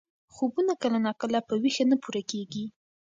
خوبونه کله ناکله په ویښه نه پوره کېږي.